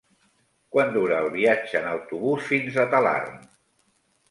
Quant dura el viatge en autobús fins a Talarn?